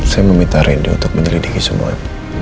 saya meminta randy untuk meneliti semua